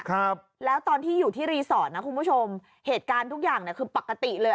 ครับแล้วตอนที่อยู่ที่รีสอร์ทนะคุณผู้ชมเหตุการณ์ทุกอย่างเนี่ยคือปกติเลย